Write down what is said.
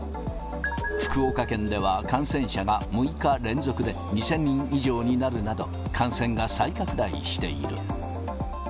福岡県では、感染者が６日連続で２０００人以上になるなど、感染が再拡大している。